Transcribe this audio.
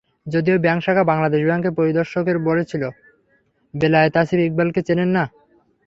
যদিও ব্যাংক শাখা বাংলাদেশ ব্যাংকের পরিদর্শকদের বলেছিল, বেলায়েত আসিফ ইকবালকে চেনেন না।